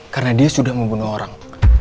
karena dia sudah membunuh orang